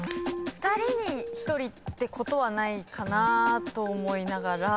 ２人に１人ってことはないかなと思いながら。